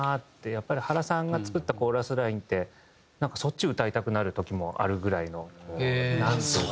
やっぱり原さんが作ったコーラスラインってなんかそっち歌いたくなる時もあるぐらいのなんというか。